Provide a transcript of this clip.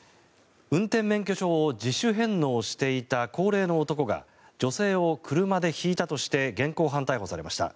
運転免許証を自主返納していた高齢の男が女性を車でひいたとして現行犯逮捕されました。